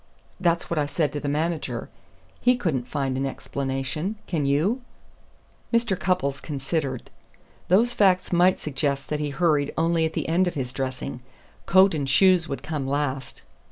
That's what I said to the manager. He couldn't find an explanation. Can you?" Mr. Cupples considered. "Those facts might suggest that he was hurried only at the end of his dressing. Coat and shoes would come last."